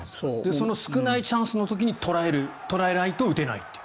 その少ないチャンスの時に捉えないと打てないという。